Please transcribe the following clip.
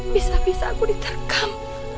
bisa bisa aku diterkam